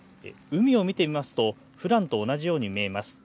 海を見てみますとふだんと同じように見えます。